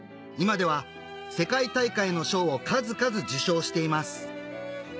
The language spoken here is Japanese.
今では世界大会の賞を数々受賞しています